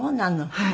はい。